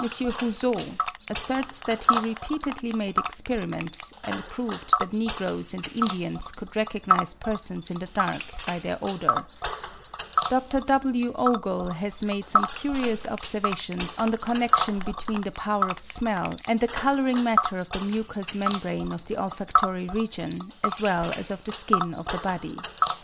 M. Houzeau ('Études sur les Facultés Mentales,' etc., tom. i. 1872, p. 91) asserts that he repeatedly made experiments, and proved that Negroes and Indians could recognise persons in the dark by their odour. Dr. W. Ogle has made some curious observations on the connection between the power of smell and the colouring matter of the mucous membrane of the olfactory region as well as of the skin of the body.